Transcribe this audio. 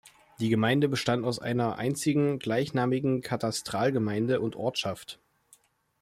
Die Gemeinde bestand aus einer einzigen gleichnamigen Katastralgemeinde und Ortschaft.